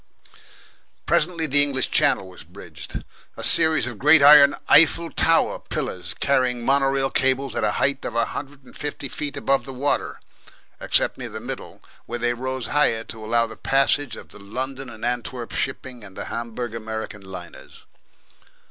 Presently the English Channel was bridged a series of great iron Eiffel Tower pillars carrying mono rail cables at a height of a hundred and fifty feet above the water, except near the middle, where they rose higher to allow the passage of the London and Antwerp shipping and the Hamburg America liners.